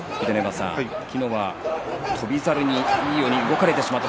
昨日は翔猿にいいように動かれてしまって。